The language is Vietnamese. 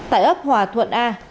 tại ấp hòa thuận a